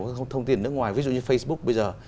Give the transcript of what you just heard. các thông tin ở nước ngoài ví dụ như facebook bây giờ